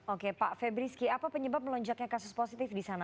oke pak febrisky apa penyebab melonjaknya kasus positif di sana